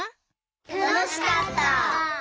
たのしかった！